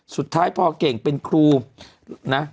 สุดท้ายพอเก่งเป็นครูนะ